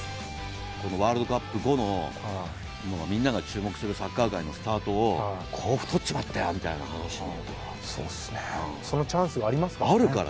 このワールドカップ後のみんなが注目するサッカー界のスタートを、甲府取っちまったよみたいな話になったら。